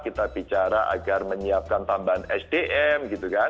kita bicara agar menyiapkan tambahan sdm gitu kan